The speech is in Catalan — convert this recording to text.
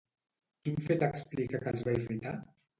Quin fet explica que els va irritar?